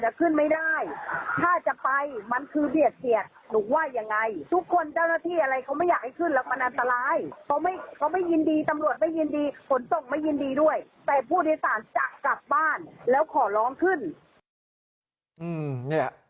แต่ผู้โดยสารจะกลับบ้านแล้วขอร้องขึ้น